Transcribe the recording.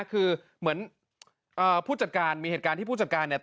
คือเหมือนผู้จัดการมีเหตุการณ์ที่ผู้จัดการเนี่ย